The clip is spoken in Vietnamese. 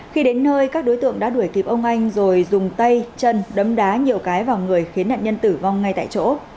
khi đến nơi các đối tượng đã đuổi kịp ông anh rồi dùng tay chân đấm đá nhiều cái vào người khiến nạn nhân tử vong ngay tại chỗ